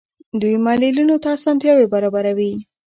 دوی معلولینو ته اسانتیاوې برابروي.